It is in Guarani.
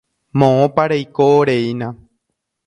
Moõpa reikoreína.